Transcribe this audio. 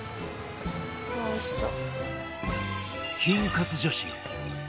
藤本：おいしそう。